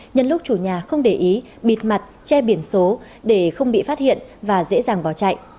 nhân lúc chủ nhà không để ý bịt mặt che biển số để không bị phát hiện và dễ dàng bỏ chạy